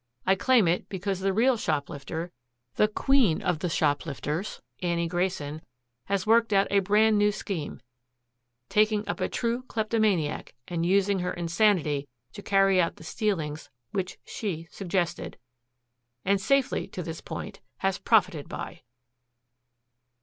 I claim it because the real shoplifter, the queen of the shoplifters, Annie Grayson, has worked out a brand new scheme, taking up a true kleptomaniac and using her insanity to carry out the stealings which she suggested and safely, to this point, has profited by!"